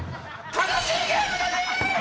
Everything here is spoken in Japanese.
楽しいゲームだね！